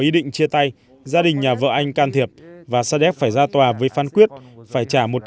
ý định chia tay gia đình nhà vợ anh can thiệp và saadet phải ra tòa với phán quyết phải trả một trăm một mươi